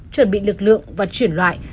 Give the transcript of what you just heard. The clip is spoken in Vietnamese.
chuẩn bị lực lượng và chuyển loại